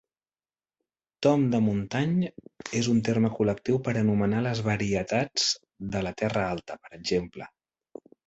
Tomme de Montagne és un terme col·lectiu per anomenar les varietats de la terra alta, p. ex.